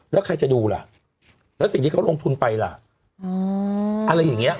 แล้วใครจะดูล่ะแล้วสิ่งที่เขาลงทุนไปล่ะอะไรอย่างนี้